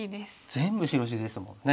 全部白地ですもんね。